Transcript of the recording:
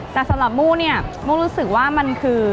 แต่สำหรับมู้เนี่ยมุรู้สึกว่ามันคือ